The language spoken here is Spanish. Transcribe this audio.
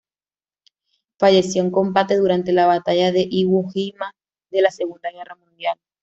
Falleció en combate durante la Batalla de Iwo Jima de la Segunda Guerra Mundial.